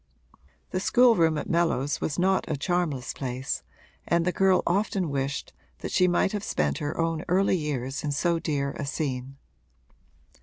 The schoolroom at Mellows was not a charmless place and the girl often wished that she might have spent her own early years in so dear a scene.